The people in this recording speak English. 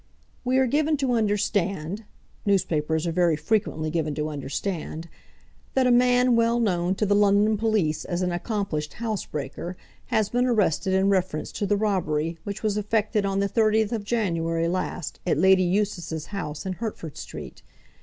"We are given to understand," newspapers are very frequently given to understand, "that a man well known to the London police as an accomplished housebreaker has been arrested in reference to the robbery which was effected on the 30th of January last at Lady Eustace's house in Hertford Street.